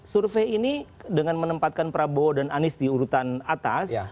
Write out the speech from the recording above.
survei ini dengan menempatkan prabowo dan anies diurutan atas